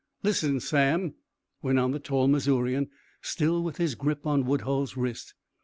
"Listen, Sam," went on the tall Missourian, still with his grip on Woodhull's wrist.